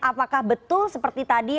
apakah betul seperti tadi